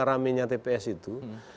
rame nya tps itu